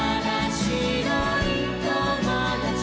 「しろいともだち」